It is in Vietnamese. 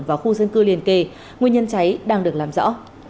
và khu dân cư liên kề nguyên nhân cháy đang được làm rõ